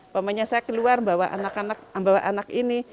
namanya saya keluar bawa anak anak bawa anak ini